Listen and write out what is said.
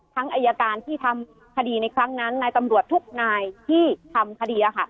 อายการที่ทำคดีในครั้งนั้นนายตำรวจทุกนายที่ทำคดี